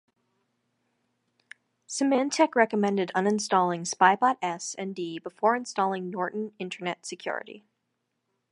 Symantec recommended uninstalling Spybot-S and D before installing Norton Internet Security.